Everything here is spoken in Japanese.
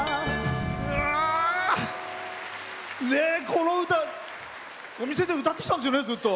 この歌、お店で歌ってきたんですよね、ずっと。